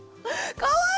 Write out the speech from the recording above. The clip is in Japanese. かわいい！